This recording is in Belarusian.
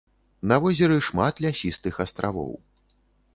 На возеры шмат лясістых астравоў.